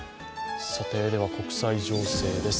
国際情勢です。